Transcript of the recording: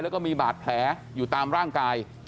แล้วก็มีบาดแผลอยู่ตามร่างกาย